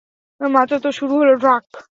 মাত্র তো শুরু হলো, ড্রাক!